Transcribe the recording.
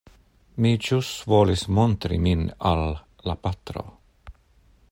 Mi ĵus volis montri min al la patro.